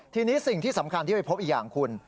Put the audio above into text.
ทีนี้สิ่งที่สำคัญที่ไปพบอีกอย่างคุณ